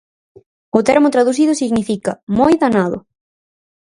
O termo traducido significa "moi danado".